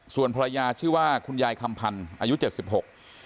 ส่วนภรรยาชื่อว่าคุณยายคำพันธ์อายุเจ็ดสิบหก